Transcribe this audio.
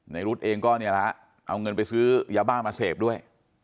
รุดเองก็เนี่ยละเอาเงินไปซื้อยาบ้ามาเสพด้วย